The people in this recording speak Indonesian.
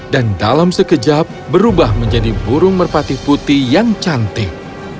dan dalam sekejap berubah menjadi burung merpati putih yang cantik